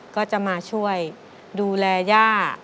ก็จะมาช่วยดูแลย่า